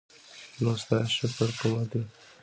نو ستا شکر کومه دی؟